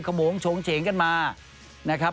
ขโมงโฉงเฉงกันมา